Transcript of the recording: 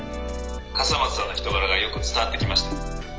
笠松さんの人柄がよく伝わってきました」。